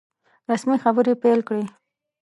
رسمي خبري پیل کړې.